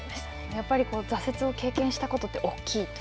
やっぱり挫折を経験したことは大きいと。